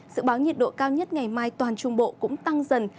dự báo nhiệt độ cao nhất ngày mai toàn trung bộ cũng tăng dần